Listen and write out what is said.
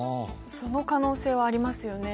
その可能性はありますよね。